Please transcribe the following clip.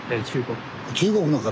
中国の方。